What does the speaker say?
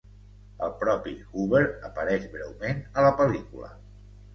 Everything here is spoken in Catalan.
El propi Hoover apareix breument a la pel·lícula.